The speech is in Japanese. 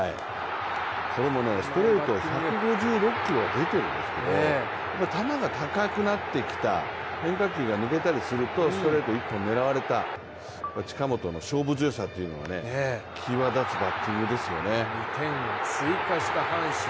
これもストレート１５６キロ出てるんですけれども、球が高くなってきた、変化球が抜けたりするとストレート１本狙われた、近本の勝負強さというのが２点を追加した阪神。